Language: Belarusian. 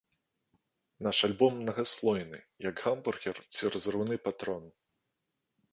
Наш альбом мнагаслойны, як гамбургер ці разрыўны патрон!